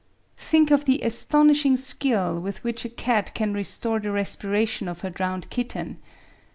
. Think of the astonishing skill with which a cat can restore the respiration of her drowned kitten